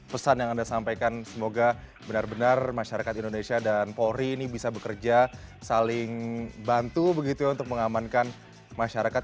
pesan yang anda sampaikan semoga benar benar masyarakat indonesia dan polri ini bisa bekerja saling bantu begitu ya untuk mengamankan masyarakat